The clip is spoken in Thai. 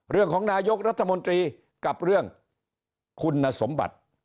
เรื่องของนายกรัฐมนตรีกับเรื่องคุณสมบัติ